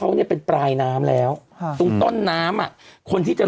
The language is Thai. อันนี้เป็นปลายน้ำแล้วตรงต้นน้ำอ่ะ